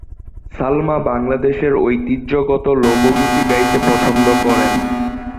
সালমা বাংলাদেশের ঐতিহ্যগত লোক গীতি গাইতে পছন্দ করেন।